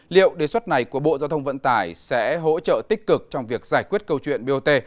liệu đề xuất này của bộ giao thông vận tải sẽ hỗ trợ tích cực trong việc giải quyết câu chuyện bot